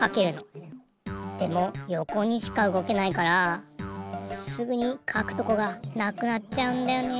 でもよこにしかうごけないからすぐにかくとこがなくなっちゃうんだよね。